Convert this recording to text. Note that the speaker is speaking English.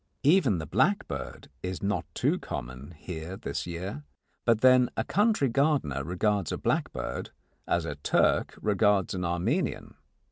Even the blackbird is not too common here this year, but then a country gardener regards a blackbird as a Turk regards an Armenian.